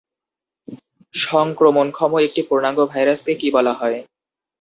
সংক্রমণক্ষম একটি পূর্ণাঙ্গ ভাইরাসকে কী বলা হয়?